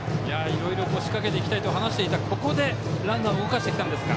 いろいろ仕掛けていきたいと話していてここで、ランナーを動かしてきたんですが。